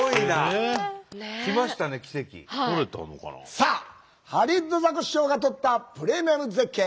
さあハリウッドザコシショウが撮ったプレミアム絶景